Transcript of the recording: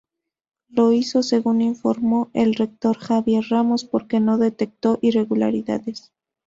Lo hizo, según informó el rector Javier Ramos, porque no detectó irregularidades.